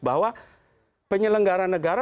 bahwa penyelenggara negara